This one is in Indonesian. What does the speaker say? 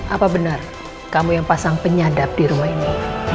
apa benar kamu yang pasang penyadap di rumah ini